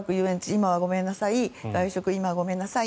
今はごめんなさい外食、今はごめんなさい